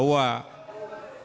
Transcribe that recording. bahwa pembagian pembagian seperti ini